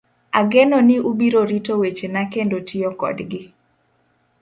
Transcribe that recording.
Ageno ni ubiro rito wechena kendo tiyo kodgi.